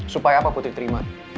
supaya apa putri terima